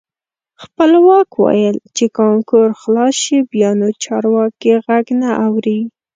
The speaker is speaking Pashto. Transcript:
خپلواک ویل چې کانکور خلاص شي بیا نو چارواکي غږ نه اوري.